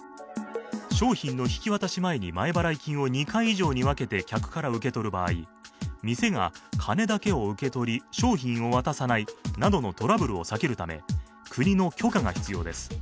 商品の引き渡し前に前払い金を２回以上に分けて客から受け取る場合、店が金だけを受け取り、商品を渡さないなどのトラブルを避けるため国の許可が必要です。